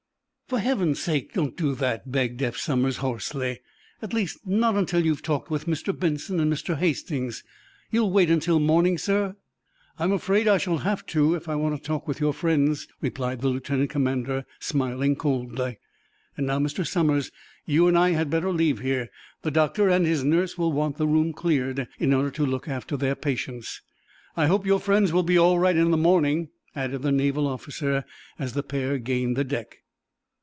"For heaven's sake don't do that," begged Eph Somers, hoarsely. "At least, not until you have talked with Mr. Benson and Mr. Hastings. You'll wait until morning, sir?" "I'm afraid I shall have to, if I want to talk with your friends," replied the lieutenant commander, smiling coldly. "And now, Mr. Somers, you and I had better leave here. The doctor and his nurse will want the room cleared in order to look after their patients. I hope your friends will be all right in the morning," added the naval officer, as the pair gained the deck.